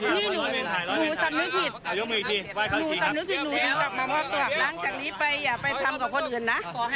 นังจากนี้ไปอย่าไปทำกับคนอื่น